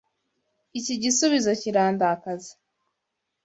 Iki gisubizo kirandakaza.